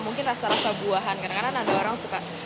perbuahan karena kan ada orang suka